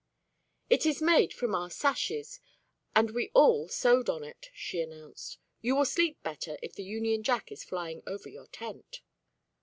"It is made from our sashes, and we all sewed on it," she announced. "You will sleep better if the Union Jack is flying over your tent."